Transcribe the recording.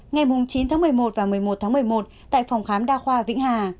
ngày chín tháng một mươi một và một mươi một tháng một mươi một tại phòng khám đa khoa vĩnh hà